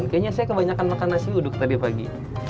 kayaknya saya kebanyakan makan nasi uduk tadi pagi